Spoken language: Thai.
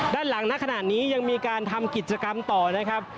ด้านหลังณขณะนี้ยังมีการทำกิจกรรมต่อนะครับ